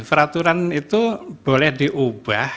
peraturan itu boleh diubah